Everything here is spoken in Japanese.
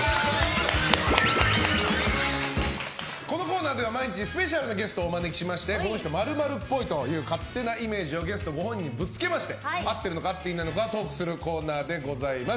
このコーナーでは、毎日スペシャルなゲストをお招きしてこの人○○っぽいという勝手なイメージをゲスト本人にぶつけ合ってるのか、合っていないのかトークするコーナーでございます。